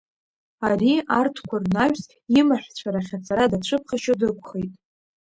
Ари, арҭқәа рнаҩс имаҳәцәа рахь ацара дацәыԥхашьо дықәхеит.